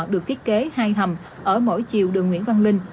được thiết kế hai hầm ở mỗi chiều đường nguyễn văn linh